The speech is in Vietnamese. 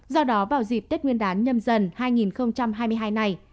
do đó vào dịp tết nguyên đán nhâm dần hai nghìn hai mươi hai này